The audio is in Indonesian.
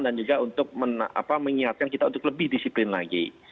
dan juga untuk mengingatkan kita untuk lebih disiplin lagi